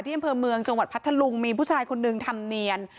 อำเภอเมืองจังหวัดพัทธลุงมีผู้ชายคนนึงทำเนียน